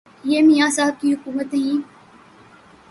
یہ میاں صاحب کی حکومت نہیں